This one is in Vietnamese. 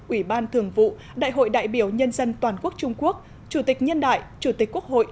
ủy ban thường vụ đại hội đại biểu nhân dân toàn quốc trung quốc chủ tịch nhân đại chủ tịch quốc hội